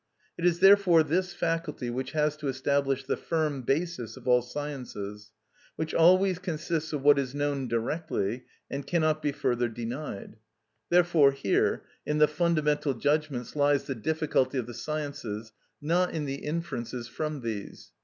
It is therefore this faculty which has to establish the firm basis of all sciences, which always consists of what is known directly and cannot be further denied. Therefore here, in the fundamental judgments, lies the difficulty of the sciences, not in the inferences from these.